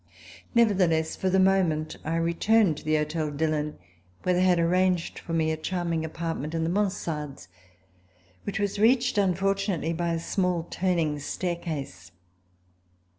Nevertheless, for the moment I returned to the Hotel Dillon, where they had arranged for me a charming appartevient in the mansardeSy which was reached unfortunately by a small turning staircase.